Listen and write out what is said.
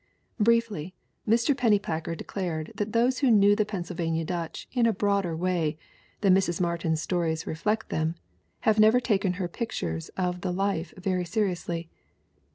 Briefly, Mr. Pennypacker declared that those who knew the Pennsylvania Dutch "in a broader way" than Mrs. Martin's stories reflect them "have never taken her pictures of the life very seriously."